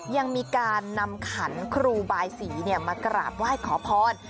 ยังมีการนำขันครูบายสีมากราบไหว้ขอพร